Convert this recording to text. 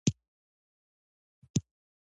• د سهار خوشبو زړه ته تازهوالی ورکوي.